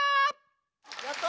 やった！